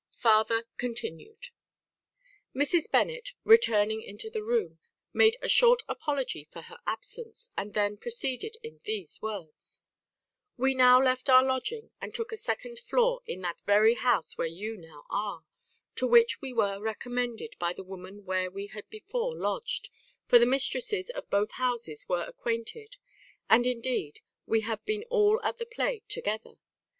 Farther continued. Mrs. Bennet, returning into the room, made a short apology for her absence, and then proceeded in these words: "We now left our lodging, and took a second floor in that very house where you now are, to which we were recommended by the woman where we had before lodged, for the mistresses of both houses were acquainted; and, indeed, we had been all at the play together.